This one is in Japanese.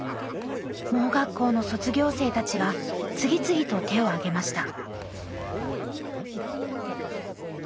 盲学校の卒業生たちが次々と手を挙げました。